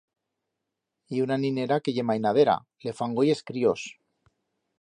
Ye una ninera que ye mainadera, le fan goi es críos.